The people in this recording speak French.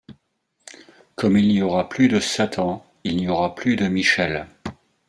Comme il n'y aura plus de Satan, il n'y aura plus de Michel.